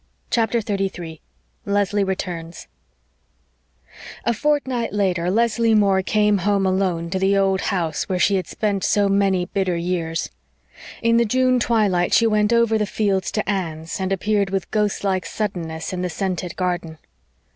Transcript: CHAPTER 33 LESLIE RETURNS A fortnight later Leslie Moore came home alone to the old house where she had spent so many bitter years. In the June twilight she went over the fields to Anne's, and appeared with ghost like suddenness in the scented garden.